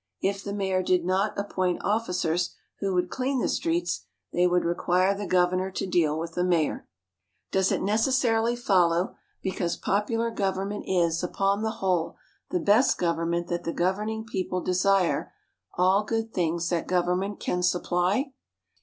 If the mayor did not appoint officers who would clean the streets, they would require the governor to deal with the mayor. Does it necessarily follow, because popular government is, upon the whole, the best government, that the governing people desire all good things that government can supply?